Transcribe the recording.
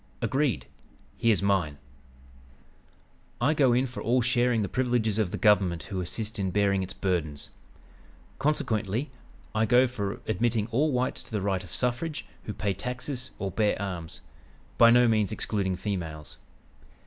"Agreed. Here's mine: "I go in for all sharing the privileges of the government who assist in bearing its burdens. Consequently, I go for admitting all whites to the right of suffrage who pay taxes or bear arms (by no means excluding females).